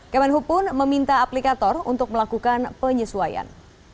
kemenhub pun meminta aplikator untuk melakukan penyesuaian